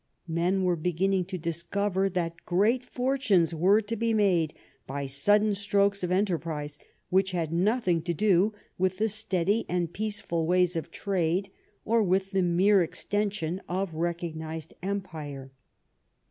Men were beginning to discover that great fortunes were to be made by sudden strokes of enter prise which had nothing to do with the steady and peaceful ways of trade or with the mere extension of recognized empire.